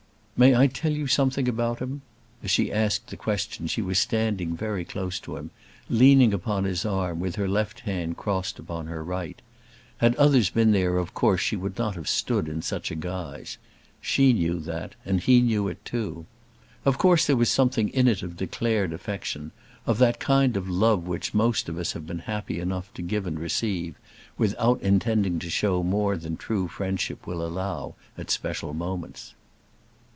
"May I tell you something about him?" As she asked the question she was standing very close to him, leaning upon his arm, with her left hand crossed upon her right. Had others been there, of course she would not have stood in such a guise. She knew that, and he knew it too. Of course there was something in it of declared affection, of that kind of love which most of us have been happy enough to give and receive, without intending to show more than true friendship will allow at special moments.